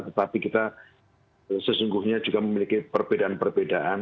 tetapi kita sesungguhnya juga memiliki perbedaan perbedaan